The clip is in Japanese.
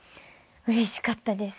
うれしかったです。